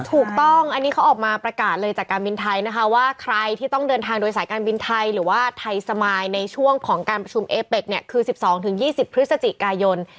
ถูกต้องอันนี้เขาออกมาประกาศเลยจากการบินไทยนะคะว่าใครที่ต้องเดินทางโดยสายการบินไทยหรือว่าไทยสมายในช่วงของการประชุมเอเป็กเนี่ยคือ๑๒๒๐พฤศจิกายน